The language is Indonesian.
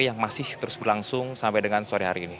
yang masih terus berlangsung sampai dengan sore hari ini